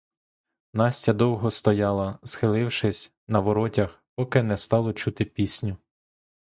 Настя довго стояла, схилившись, на воротях, поки не стало чути пісню.